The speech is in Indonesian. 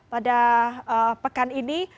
pada pekan ini